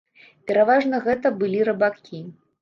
Пераважна гэта былі рыбакі.